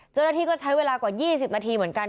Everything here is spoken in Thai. เจ้าหน้าที่ก็ใช้เวลากว่า๒๐นาทีเหมือนกัน